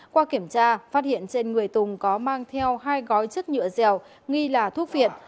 qua kiểm tra phát hiện trên người tùng có mang theo hai gói chất nhựa dẻo nghi là thuốc viện